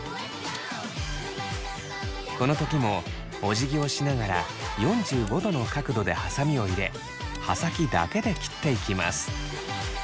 この時もおじぎをしながら４５度の角度ではさみを入れ刃先だけで切っていきます。